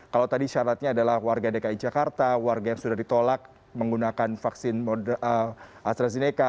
kalau tadi syaratnya adalah warga dki jakarta warga yang sudah ditolak menggunakan vaksin astrazeneca